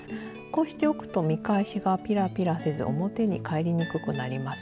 こうしておくと見返しがピラピラせず表に返りにくくなりますよ。